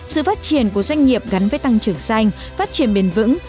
sự phát triển của doanh nghiệp gắn với tăng trưởng xanh phát triển bền vững